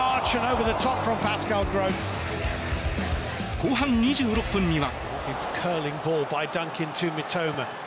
後半２６分には。